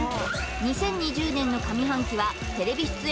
２０２０年の上半期はテレビ出演